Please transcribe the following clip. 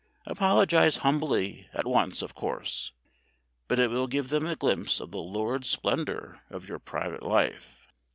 Apologise humbly at once, of course. But it will give them a glimpse of the lurid splendour of your private life.